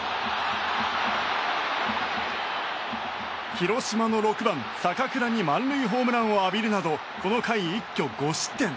広島の６番、坂倉に満塁ホームランを浴びるなどこの回、一挙５失点。